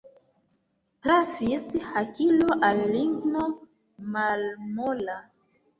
Trafis hakilo al ligno malmola.